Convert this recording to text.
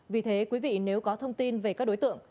vì thế quý vị nếu có thông tin về các đối tượng